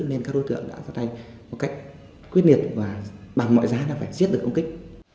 nên các đối tượng đã ra tay một cách quyết liệt và bằng mọi giá là phải giết được ông kích